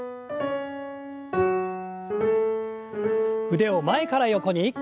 腕を前から横に。